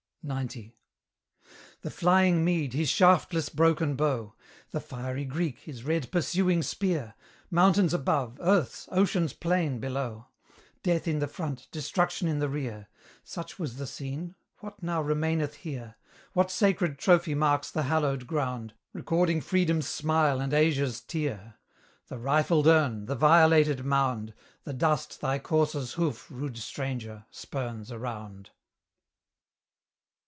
XC. The flying Mede, his shaftless broken bow; The fiery Greek, his red pursuing spear; Mountains above, Earth's, Ocean's plain below; Death in the front, Destruction in the rear! Such was the scene what now remaineth here? What sacred trophy marks the hallowed ground, Recording Freedom's smile and Asia's tear? The rifled urn, the violated mound, The dust thy courser's hoof, rude stranger! spurns around.